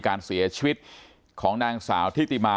การเสียชีวิตของนางสาวทิติมา